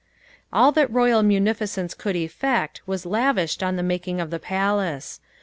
All that royal munificence could effect was lavished on the making of the palace.